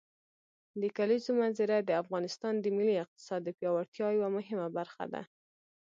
د کلیزو منظره د افغانستان د ملي اقتصاد د پیاوړتیا یوه مهمه برخه ده.